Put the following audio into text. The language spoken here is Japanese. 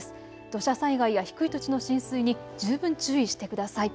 土砂災害や低い土地の浸水に十分注意してください。